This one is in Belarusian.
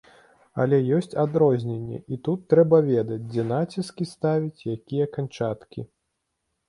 Але ёсць адрозненні, і тут трэба ведаць, дзе націскі ставіць, якія канчаткі.